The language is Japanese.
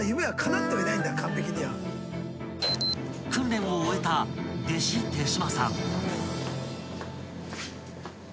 ［訓練を終えた弟子手島さん］